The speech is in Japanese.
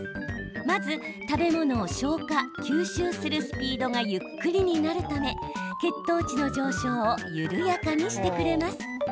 まず、食べ物を消化、吸収するスピードがゆっくりになるため血糖値の上昇を緩やかにしてくれます。